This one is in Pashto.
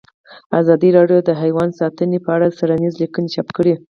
ازادي راډیو د حیوان ساتنه په اړه څېړنیزې لیکنې چاپ کړي.